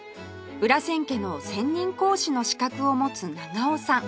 裏千家の専任講師の資格を持つ長尾さん